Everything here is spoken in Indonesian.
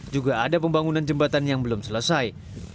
juga ada pembangunan jembatan yang belum selesai